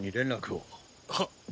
はっ！